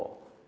và các bộ